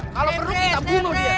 kalau perlu kita bunuh dia